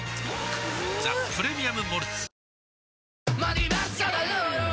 「ザ・プレミアム・モルツ」